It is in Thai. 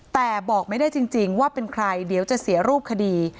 แต่บอกไม่ได้จริงว่าเป็นใครเดี๋ยวจะเสียรูปคดี